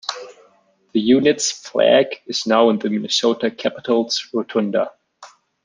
The unit's flag is now in the Minnesota Capitol's rotunda.